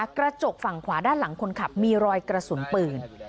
กระจกฝั่งขวาด้านหลังคนขับมีรอยกระสุนปืน